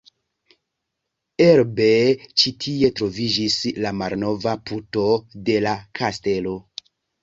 Elbe ĉi tie troviĝis la malnova puto de la kastelo.